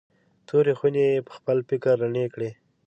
تورې خونې یې پخپل فکر رڼې کړې.